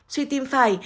suy tim phải